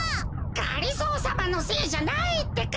がりぞーさまのせいじゃないってか！